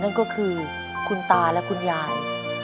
นั่นก็คือคุณตาและคุณยาย